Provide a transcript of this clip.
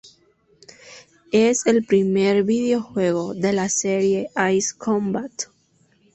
Es el primer videojuego de la serie "Ace Combat".